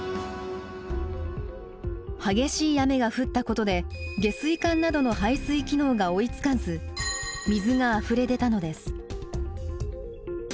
激しい雨が降ったことで下水管などの排水機能が追いつかず水があふれ出たのです。